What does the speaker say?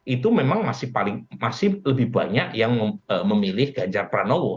itu memang masih lebih banyak yang memilih ganjar pranowo